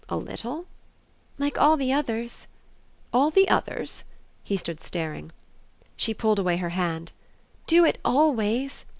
"A little?" "Like all the others." "All the others?" he stood staring. She pulled away her hand. "Do it always!"